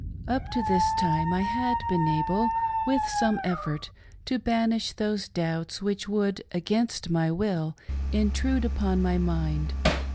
Up to this time I had been able, with some effort, to banish those doubts which would, against my will, intrude upon my mind.